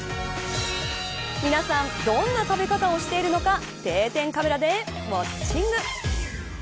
皆さんどんな食べ方をしているのか定点カメラでウオッチング。